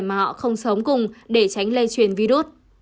mà họ không sống cùng để tránh lây truyền virus